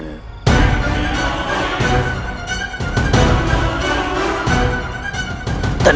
untuk merendam pemberontakan itu paman